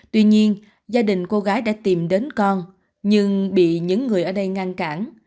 tuy nhiên gia đình cô gái đã tìm đến con nhưng bị những người ở đây ngăn cản